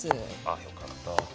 あよかった。